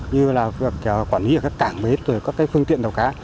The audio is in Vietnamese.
như là phối hợp quản lý các cảng bếp các phương tiện tàu cá